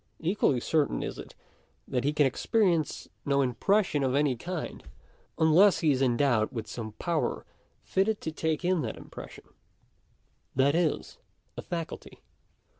Equally certain is it that he can experience no impres sion of any kind, unless he is endowed with some power fitted to take in that impression ; that is, a faculty.